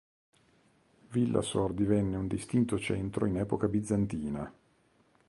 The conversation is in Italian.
Villasor divenne un distinto centro in epoca bizantina.